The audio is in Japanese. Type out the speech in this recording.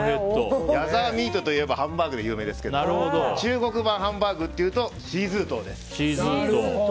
ヤザワミートといえばハンバーグで有名ですけど中国版ハンバーグというとシーズートウです。